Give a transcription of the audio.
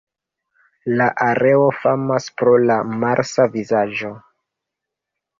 La areo famas pro la Marsa vizaĝo.